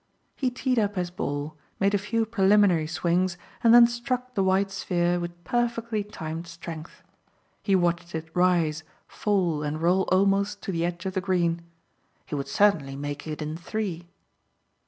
He teed up his ball, made a few preliminary swings and then struck the white sphere with perfectly timed strength. He watched it rise, fall and roll almost to the edge of the green. He would certainly make it in three.